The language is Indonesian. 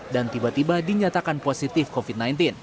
dan tiba tiba dinyatakan positif covid sembilan belas